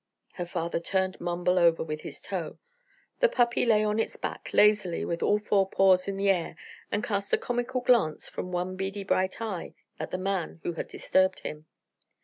Her father turned Mumbles over with his toe. The puppy lay upon its back, lazily, with all four paws in the air, and cast a comical glance from one beady bright eye at the man who had disturbed him.